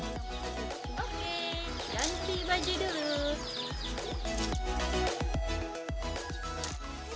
oke ganti baju dulu